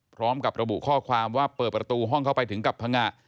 พร้อมกับระบุข้อความว่าเปิดประตูห้องเข้าไปถึงกับพังงะ